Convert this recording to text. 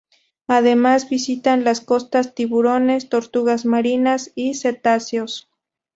Además visitan las costas tiburones, tortugas marinas y cetáceos.